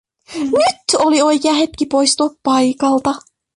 Nyt oli oikea hetki poistua paikalta.